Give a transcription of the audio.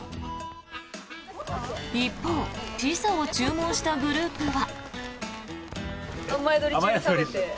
一方ピザを注文したグループは。